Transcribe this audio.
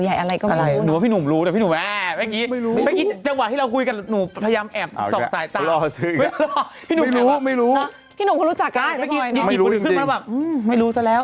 ดีกี่ปุ่นขึ้นมาแบบไม่รู้ซะแล้ว